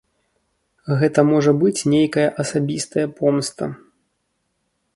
Гэта можа быць нейкая асабістая помста.